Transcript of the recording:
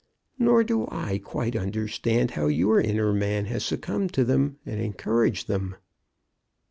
Nor do I quite understand how your inner man has succumbed to them and encouraged them."